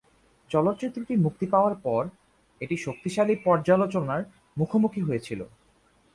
চলচ্চিত্রটি মুক্তি পাওয়ার পর এটি শক্তিশালী পর্যালোচনার মুখোমুখি হয়েছিল।